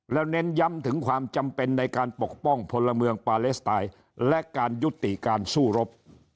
แล้วเน้นย้ำถึงความจำเป็นในการปกป้องพลเมืองปาเลสไตน์และการยุติการสู้รบ